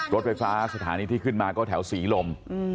รถไฟฟ้าสถานีที่ขึ้นมาก็แถวศรีลม